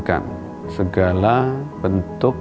yang disampaikan oleh pemerintah